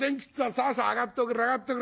さあさあ上がっとくれ上がっとくれ。